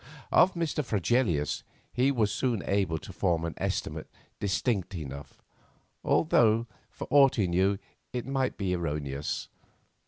Of Mr. Fregelius he was soon able to form an estimate distinct enough, although, for aught he knew, it might be erroneous.